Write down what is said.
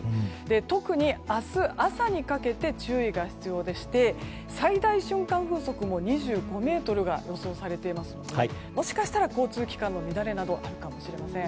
特に明日朝にかけて注意が必要でして最大瞬間風速も２５メートルが予想されていますのでもしかしたら交通機関の乱れなどあるかもしれません。